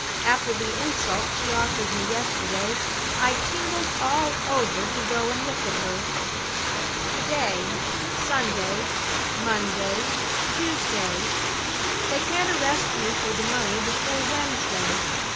After the insult she offered me yesterday, I tingled all over to go and look at her. "To day; Sunday; Monday; Tuesday. They can't arrest me for the money before Wednesday.